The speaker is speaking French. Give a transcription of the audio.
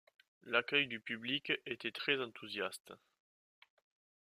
L'accueil du public était très enthousiaste.